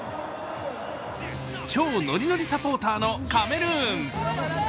超ノリノリサポーターのカメルーン。